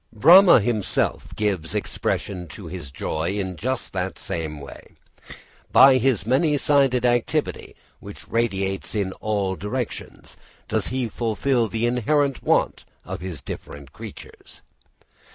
Brahma himself gives expression to his joy in just the same way. _By his many sided activity, which radiates in all directions, does he fulfil the inherent want of his different creatures.